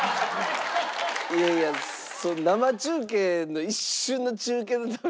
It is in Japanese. いやいや生中継の一瞬の中継のために。